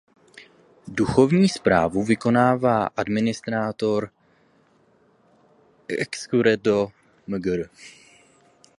Duchovní správu vykonává administrátor excurrendo mgr.